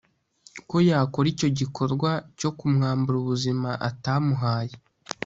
ko yakora icyogikorwa cyo kumwambura ubuzima atamuhaye